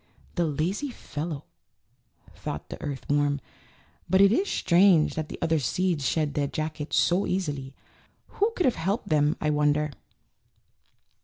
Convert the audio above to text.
"The lazy fellow," thought the earth worm; "but it is strange that the other seeds shed their jackets so easily. Who could have helped them I wonder?"